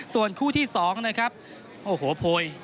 ส่วนคู่ที่๒นะครับโอ้โหโพย